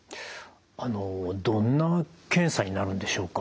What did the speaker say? あのどんな検査になるんでしょうか。